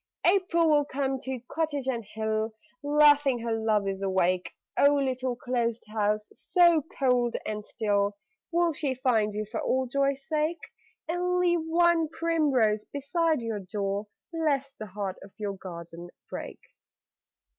April will come to cottage and hill, Laughing her lovers awake. (Oh, little closed house, so cold and still, Will she find you for old joy's sake, And leave one primrose beside your door, Lest the heart of your garden break?)